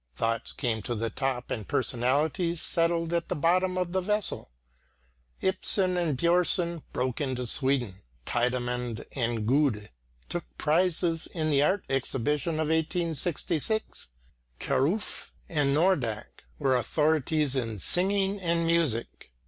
Thoughts came to the top and personalities settled at the bottom of the vessel. Ibsen and Björnson broke into Sweden; Tidemand and Gude took prizes in the art exhibition of 1866; Kierulf and Nordraak were authorities in singing and music.